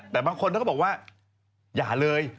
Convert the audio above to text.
แต่บางคนท่านก็บอกว่าอย่าเลย